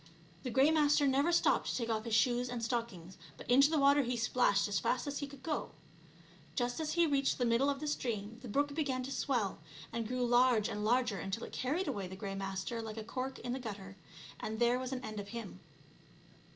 The Grey Master never stopped to take off his shoes and stockings, but into the water he splashed as fast as he could go. Just as he reached the middle of the stream the brook began to swell, and grew large and larger until it carried away the Grey Master like a cork in the gutter, and there was an end of him.